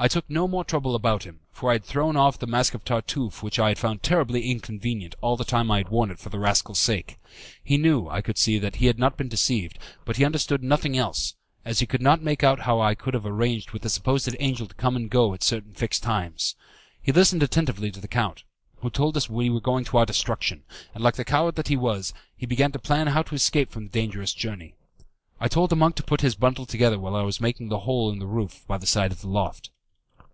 I took no more trouble about him, for I had thrown off the mask of Tartuffe which I had found terribly inconvenient all the time I had worn it for the rascal's sake. He knew, I could see, that he had been deceived, but he understood nothing else, as he could not make out how I could have arranged with the supposed angel to come and go at certain fixed times. He listened attentively to the count, who told us we were going to our destruction, and like the coward that he was, he began to plan how to escape from the dangerous journey. I told the monk to put his bundle together while I was making the hole in the roof by the side of the loft.